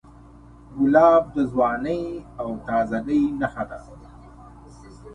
ګلاب د ځوانۍ او تازهګۍ نښه ده.